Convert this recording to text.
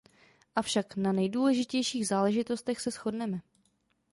Avšak na nejdůležitějších záležitostech se shodneme.